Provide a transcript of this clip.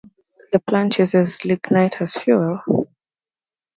The plant uses lignite as fuel.